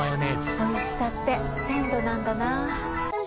おいしさって鮮度なんだな。